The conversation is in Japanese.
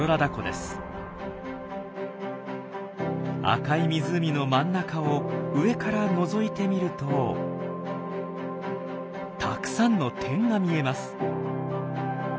赤い湖の真ん中を上からのぞいてみるとたくさんの点が見えます。